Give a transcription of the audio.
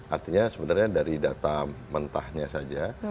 artinya sebenarnya dari data mentahnya saja